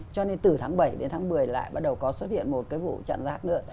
cho nên từ tháng bảy đến tháng một mươi lại bắt đầu có xuất hiện một cái vụ chặn rác nữa